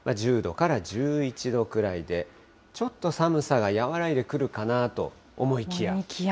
１０度から１１度くらいで、ちょっと寒さが和らいでくるかなと思いきや。